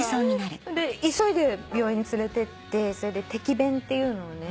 で急いで病院連れてってそれで摘便っていうのをね。